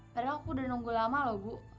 padahal aku udah nunggu lama loh bu